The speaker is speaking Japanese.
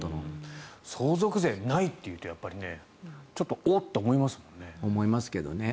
相続税がないとなるとちょっとおっと思いますけどね。